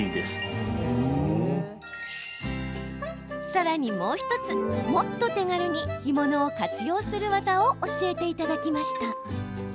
さらに、もう１つもっと手軽に干物を活用するワザを教えていただきました。